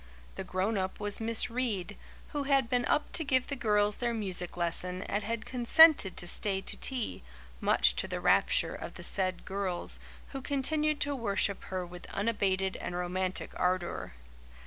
The grown up was Miss Reade, who had been up to give the girls their music lesson and had consented to stay to tea, much to the rapture of the said girls, who continued to worship her with unabated and romantic ardour.